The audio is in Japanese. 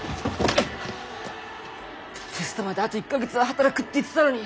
テストまであと１か月は働くって言ってたのに。